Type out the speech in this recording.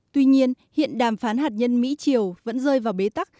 tuy nhiên hiện đàm phán hạt nhân mỹ triều vẫn rơi vào bế tắc